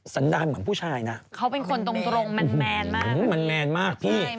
สันดาลเหมือนผู้ชายนะเขาเป็นคนตรงตรงมันแมนมากมันแมนมากพี่